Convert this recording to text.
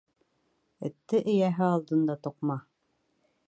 Этте эйәһе алдында туҡма.